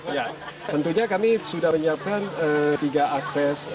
ya tentunya kami sudah menyiapkan tiga akses